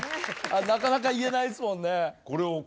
なかなか言えないっすもんね。